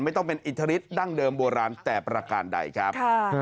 ต้องเป็นอิทธิฤทธั้งเดิมโบราณแต่ประการใดครับ